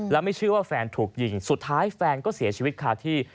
แล้วไม่เชื่อว่าแฟนถูกยิงสุดท้ายแฟนก็เสียชีวิตคาที่